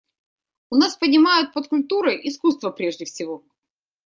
У нас понимают под «культурой» искусство прежде всего.